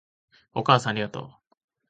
お母さんありがとう